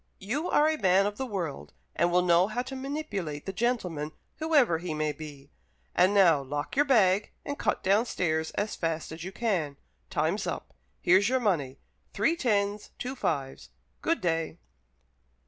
You are a man of the world, and will know how to manipulate the gentleman, whoever he may be. And now lock your bag and cut downstairs as fast as you can. Time's up. Here's your money three tens, two fives. Good day."